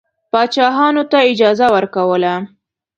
پاچاهانو ته اجازه ورکوله.